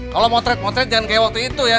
kalau motret motret jangan kayak waktu itu ya